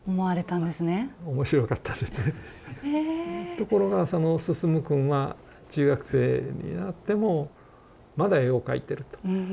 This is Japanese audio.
ところがその晋くんは中学生になってもまだ絵を描いてると。